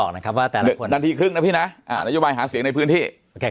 นาทีครึ่งนะพี่นะนโยบายหาเสียงในพื้นที่